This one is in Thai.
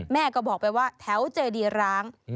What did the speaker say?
แม่ก็บอกไปว่าแถวเจดีร้าง